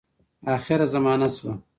آخره زمانه سوه .